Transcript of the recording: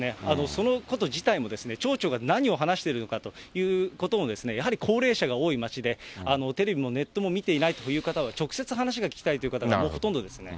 そのこと自体も、町長が何を話しているのかということも、やはり高齢者が多い町で、テレビもネットも見ていないという方は、直接話が聞きたいという方がほとんどですね。